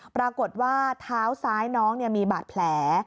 ปรากฏว่าเท้าซ้ายน้องมีบาดแผล